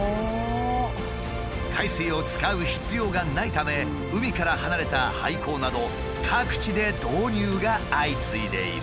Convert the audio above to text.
海水を使う必要がないため海から離れた廃校など各地で導入が相次いでいる。